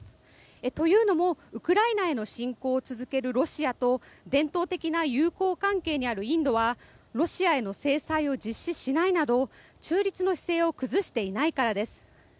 というのもウクライナへの侵攻を続けるロシアと伝統的な友好関係にあるインドはロシアへの制裁を実施しないなど中立の姿勢を崩していないからです。